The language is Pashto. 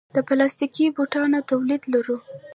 د پلاستیکي بوټانو تولید لرو؟